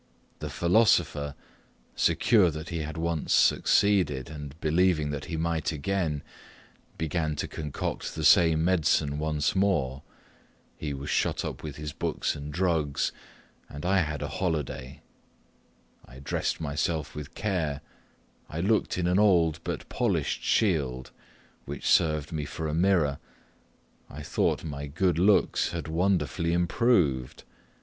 The philosopher, secure that he had once succeeded, and believing that he might again, began to concoct the same medicine once more. He was shut up with his books and drugs, and I had a holiday. I dressed myself with care; I looked in an old but polished shield, which served me for a mirror; methought my good looks had wonderfully improved.